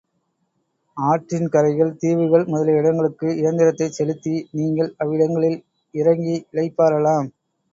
ஆற்றின் கரைகள், தீவுகள் முதலிய இடங்களுக்கு இயந்திரத்தைச் செலுத்தி நீங்கள் அவ்விடங்களில் இறங்கி இளைப்பாறலாம்.